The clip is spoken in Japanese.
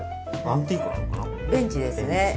ベンチですね。